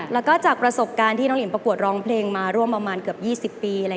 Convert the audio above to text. แล้วก็จากประสบการณ์ที่น้องหลิมประกวดร้องเพลงมาร่วมประมาณเกือบ๒๐ปี